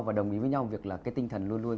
và đồng ý với nhau việc là cái tinh thần luôn luôn